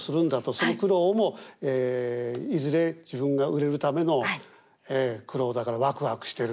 その苦労をもいずれ自分が売れるための苦労だからわくわくしてる。